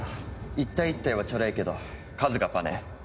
一体一体はチョレえけど数がパネェ。